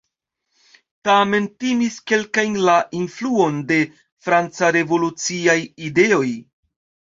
Tamen timis kelkajn la influon de franca revoluciaj ideoj.